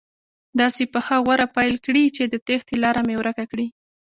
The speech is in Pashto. داسې پخه غوره پیل کړي چې د تېښتې لاره مې ورکه کړي.